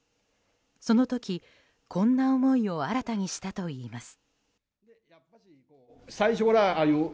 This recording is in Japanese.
その時、こんな思いを新たにしたといいます。